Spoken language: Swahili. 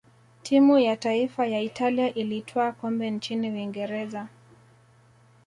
timu ya taifa ya italia ilitwaa kombe nchini uingereza